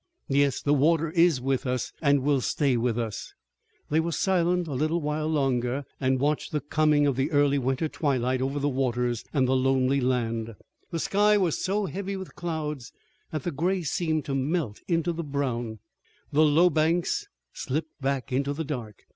"Yes, the water is with us, and will stay with us." They were silent a little while longer and watched the coming of the early winter twilight over the waters and the lonely land. The sky was so heavy with clouds that the gray seemed to melt into the brown. The low banks slipped back into the dark.